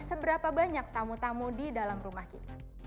seberapa banyak tamu tamu di dalam rumah kita